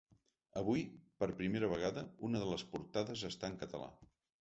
Avui, per primer vegada, una de les portades està en català.